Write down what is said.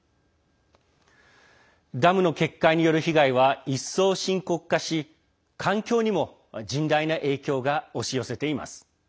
ダムの決壊による被害は一層深刻化し環境にも甚大な影響が押し寄せています。